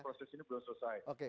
proses ini belum selesai